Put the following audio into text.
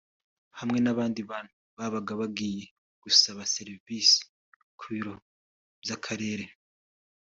hamwe n’abandi bantu babaga bagiye gusaba serivisi ku biro by’Akarere